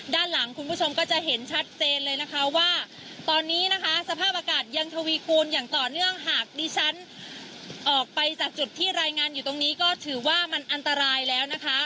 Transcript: ด้านหลังคุณผู้ชมก็จะเห็นชัดเจนเลยนะคะว่าตอนนี้นะคะสภาพอากาศยังทวีคูณอย่างต่อเนื่องหากดิฉันออกไปจากจุดที่รายงานอยู่ตรงนี้ก็ถือว่ามันอันตรายแล้วนะคะ